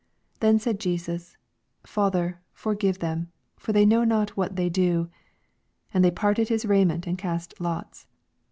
34 Then said Jesus, Father, forgive them ; for they know not what they do. And they parted his raiment, and cast lots.